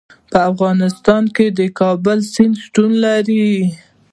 په افغانستان کې د کابل سیند شتون لري.